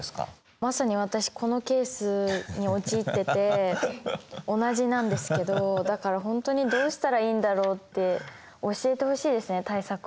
まさに私このケースにおちいってて同じなんですけどだから本当にどうしたらいいんだろうって教えてほしいですね対策を。